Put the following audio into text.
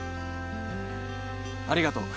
ありがとう。